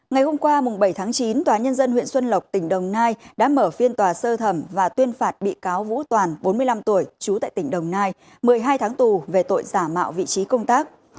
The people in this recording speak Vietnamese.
ngày hôm qua bảy tháng chín tòa nhân dân huyện xuân lộc tỉnh đồng nai đã mở phiên tòa sơ thẩm và tuyên phạt bị cáo vũ toàn bốn mươi năm tuổi trú tại tỉnh đồng nai một mươi hai tháng tù về tội giả mạo vị trí công tác